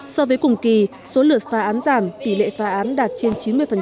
so với cùng kỳ số lượt phá án giảm tỷ lệ phá án đạt trên chín mươi